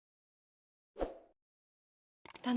karena tante tau kalian berdua itu saling menyayangi